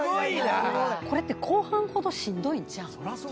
これって後半ほどしんどいんちゃう？